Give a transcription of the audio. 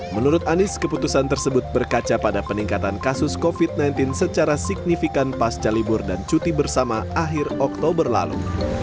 menurut anies keputusan tersebut berkaca pada peningkatan kasus covid sembilan belas secara signifikan pasca libur dan cuti bersama akhir oktober lalu